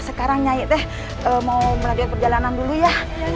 sekarang nyai teh mau melihat perjalanan dulu ya